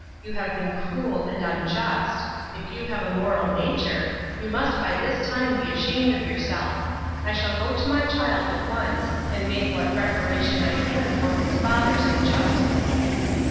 You have been cruel and unjust. If you have a moral nature, you must by this time be ashamed of your self. I shall go to my child at once, and make what reparation I can for his father's injustice."